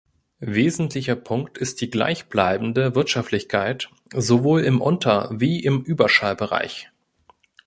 Wesentlicher Punkt ist die gleich bleibende Wirtschaftlichkeit sowohl im Unter- wie im Überschallbereich.